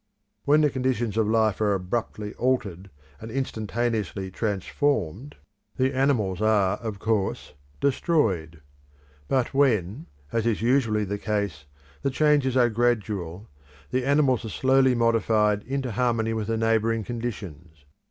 When the conditions of life are abruptly altered and instantaneously transformed, the animals are of course destroyed; but when, as is usually the case, the changes are gradual, the animals are slowly modified into harmony with the neighbouring conditions.